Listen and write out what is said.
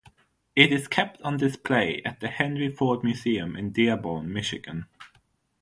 It is kept on display at the Henry Ford Museum in Dearborn, Michigan.